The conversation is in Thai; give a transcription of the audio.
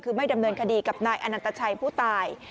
คือไม่ดำเนินคดีกับนายอนันตชัยผู้ตาย